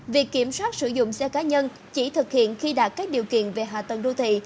việc kiểm soát sử dụng xe cá nhân chỉ thực hiện khi đạt các điều kiện về hạ tầng đô thị